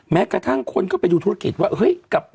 แม้กระทั่งคนก็ไปดูธุรกิจว่าเฮ้ย